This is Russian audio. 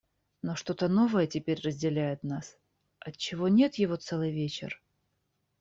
Но что-то новое теперь разделяет нас. Отчего нет его целый вечер?